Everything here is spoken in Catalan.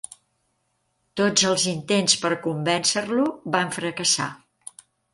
Tots els intents per convèncer-lo van fracassar.